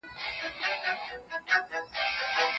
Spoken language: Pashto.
که ته افراط وکړې نو زیان به وینې.